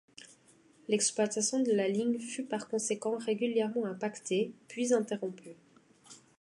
L'exploitation de la ligne fut par conséquent régulièrement impactée, puis interrompue.